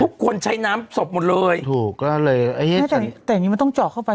ทุกคนใช้น้ำศพหมดเลยถูกก็เลยแต่แต่นี้มันต้องเจาะเข้าไป